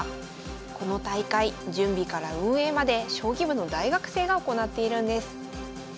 この大会準備から運営まで将棋部の大学生が行っているんです。